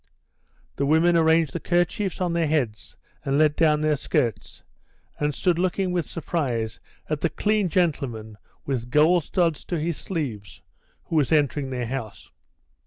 The women arranged the kerchiefs on their heads and let down their skirts, and stood looking with surprise at the clean gentleman with gold studs to his sleeves who was entering their house.